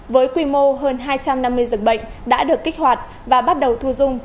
với quy mô hơn hai trăm năm mươi giường bệnh đã được kích hoạt và bắt đầu thu dung